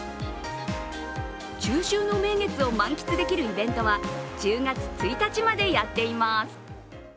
中秋の名月を満喫できるイベントは１０月１日までやっています。